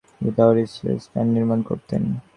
তিনি দুই টায়ারের স্টিলের স্ট্যান্ড নির্মাণ করতেন।